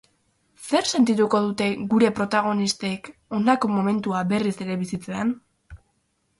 Zer sentituko dute gure protagonistek honako momentuak berriz ere bizitzean?